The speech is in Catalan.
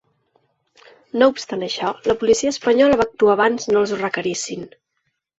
No obstant això, la policia espanyola va actuar abans no els ho requerissin.